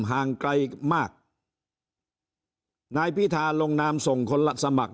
ห่างไกลมากนายพิธาลงนามส่งคนละสมัคร